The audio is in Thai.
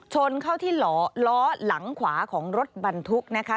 ชนเข้าที่ล้อหลังขวาของรถบรรทุกนะคะ